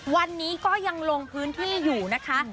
วันนี้ก็ยังลงพื้นที่อยู่นะคะ